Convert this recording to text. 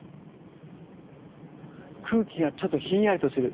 空気がちょっとひんやりとする。